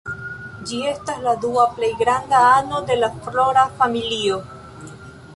Ĝi estas la dua plej granda ano de la Flora familio.